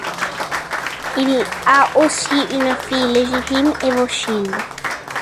Il a aussi une fille légitime, Evochilde.